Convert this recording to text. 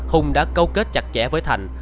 hùng đã câu kết chặt chẽ với thành